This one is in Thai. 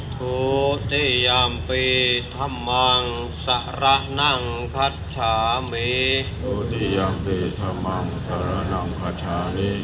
ถุติยัมปีธรรมังสาระนังขัชชามีถุติยัมปีสังคังสาระนังขัชชามี